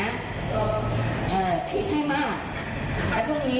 แล้วผลที่เกิดขึ้นมันเป็นยังไงข้างด้านอีกไหม